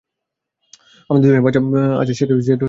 আমাদের দুজনের বাচ্চা আছে সেটা মেনে নাও।